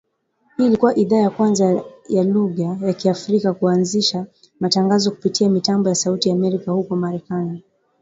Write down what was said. Hii ilikua idhaa ya kwanza ya lugha ya Kiafrika kuanzisha matangazo kupitia mitambo ya Sauti ya Amerika huko Marekani